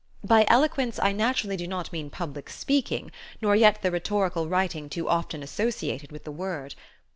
By "eloquence" I naturally do not mean public speaking, nor yet the rhetorical writing too often associated with the word.